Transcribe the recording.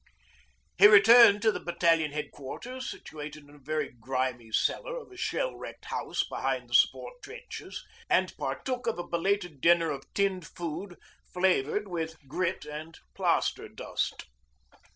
He returned to the Battalion Headquarters, situated in a very grimy cellar of a shell wrecked house behind the support trenches, and partook of a belated dinner of tinned food flavoured with grit and plaster dust.